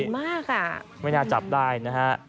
ใหญ่มากอ่ะอืมไม่น่าจับได้นะฮะ